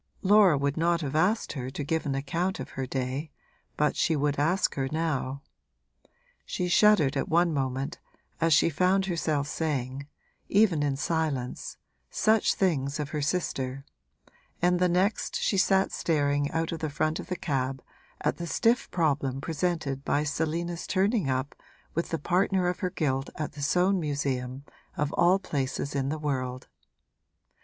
Laura would not have asked her to give an account of her day, but she would ask her now. She shuddered at one moment, as she found herself saying even in silence such things of her sister, and the next she sat staring out of the front of the cab at the stiff problem presented by Selina's turning up with the partner of her guilt at the Soane Museum, of all places in the world.